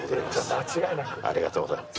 ありがとうございます。